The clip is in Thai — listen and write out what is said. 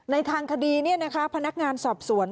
ในทางคดีพนักงานสอบสวน